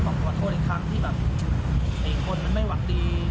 ขอโทษอีกครั้งที่แบบอีกคนมันไม่หวังดี